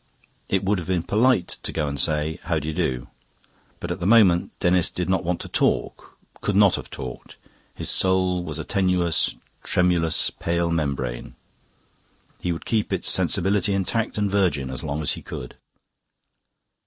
It would have been polite to go and say, "How d'you do?" But at the moment Denis did not want to talk, could not have talked. His soul was a tenuous, tremulous, pale membrane. He would keep its sensibility intact and virgin as long as he could.